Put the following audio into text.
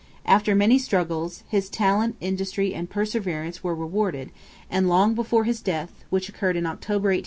After many struggles, his talent, industry, and perseverance were rewarded, and long before his death, which occurred in October, 1867, he had acquired a large fortune.